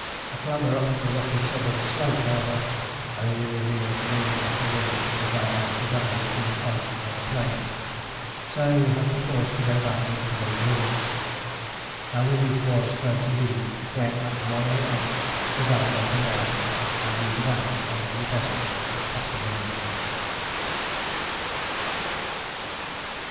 A clamber up the rocky southern slope, however, only revealed ridge after ridge and valley after valley between us and the plain, so we had perforce to go back into the ravine. Our relief was great indeed when at 1 A.M. the valley opened out, and we debouched on to the desert past a village.